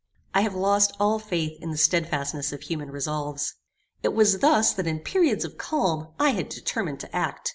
I have lost all faith in the stedfastness of human resolves. It was thus that in periods of calm I had determined to act.